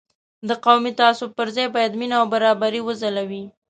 د قومي تعصب پر ځای باید مینه او برابري وځلوي.